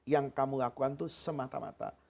yang kamu lakukan itu semata mata